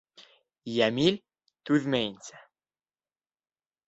Йәмил түҙмәйенсә: